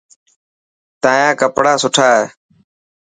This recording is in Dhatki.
تايان ڪيڙا سٺا هي.